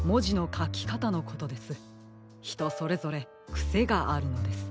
ひとそれぞれくせがあるのです。